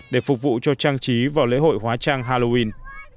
để phục vụ cho trang trí vào lễ hội hóa trang halloween